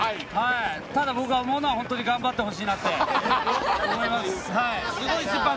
ただ僕が思うのは本当に頑張ってほしいなって思います。